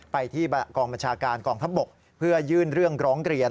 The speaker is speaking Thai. ไปที่กองบัญชาการกองทัพบกเพื่อยื่นเรื่องร้องเรียน